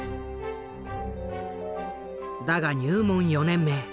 だが入門４年目